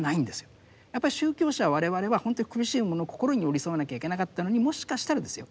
やっぱり宗教者我々はほんとは苦しい者の心に寄り添わなきゃいけなかったのにもしかしたらですよ